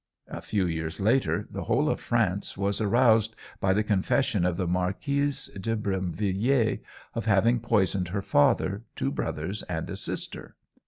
A few years later the whole of France was aroused by the confession of the Marquise de Brinvilliers of having poisoned her father, two brothers, and a sister.